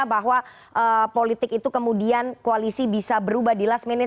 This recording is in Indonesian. bahwa politik itu kemudian koalisi bisa berubah di last minute